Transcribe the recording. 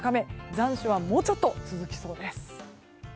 残暑はもうちょっと続きそうです。